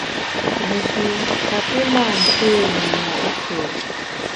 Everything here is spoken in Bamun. Nji kapi mâ nté i mo’ fù’.